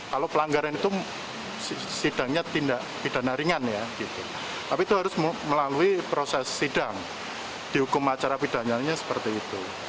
kalau pelanggaran itu sidangnya pidana ringan ya tapi itu harus melalui proses sidang dihukum acara pidana ringannya seperti itu